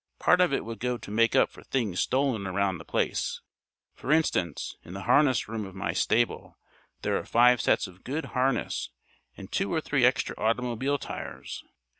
Part of it would go to make up for things stolen around The Place. For instance, in the harness room of my stable there are five sets of good harness and two or three extra automobile tires.